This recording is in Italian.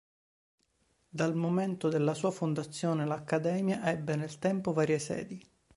Dal momento della sua fondazione l'Accademia ebbe, nel tempo, varie sedi.